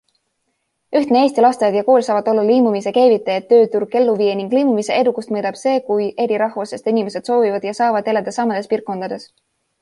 Ühtne eesti lasteaed ja kool saavad olla lõimumise käivitajad, tööturg elluviija ning lõimumise edukust mõõdab see, kui eri rahvusest inimesed soovivad ja saavad elada samades piirkondades.